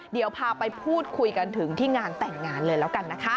เดี๋ยวพาไปพูดคุยกันถึงที่งานแต่งงานเลยแล้วกันนะคะ